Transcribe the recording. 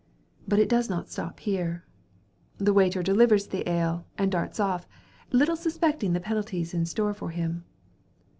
But it does not stop here. The waiter delivers the ale, and darts off, little suspecting the penalties in store for him.